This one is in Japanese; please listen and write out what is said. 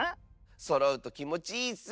そろうときもちいいッス。